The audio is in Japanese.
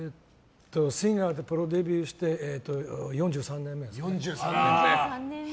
シンガーでプロデビューして４３年目ですね。